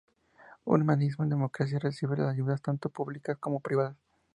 Humanismo y Democracia recibe ayudas tanto públicas como privadas.